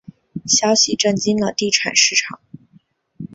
消息震惊了地产市场。